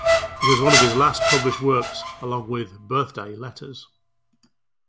It was one of his last published works along with "Birthday Letters".